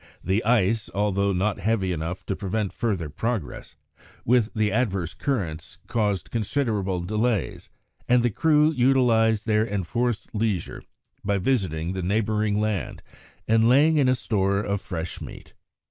The ice, although not heavy enough to prevent further progress, with the adverse currents caused considerable delays, and the crew utilised their enforced leisure by visiting the neighbouring land and laying in a store of fresh meat.